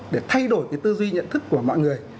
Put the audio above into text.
để thay đổi cái tư duy nhận thức của mọi người